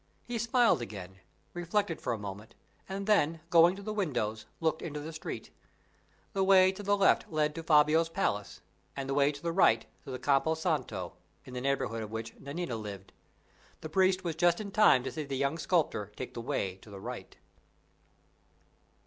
He smiled again, reflected for a moment, and then, going to the window, looked into the street. The way to the left led to Fabio's palace, and the way to the right to the Campo Santo, in the neighborhood of which Nanina lived. The priest was just in time to see the young sculptor take the way to the right.